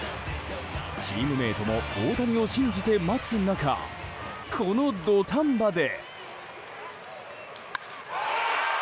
チームメートも大谷を信じて待つ中この土壇場で。